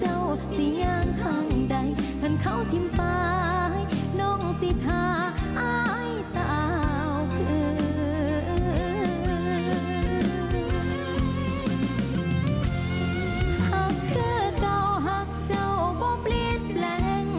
หากเข้าก้าวหักเจ้าว่าผลิดแรง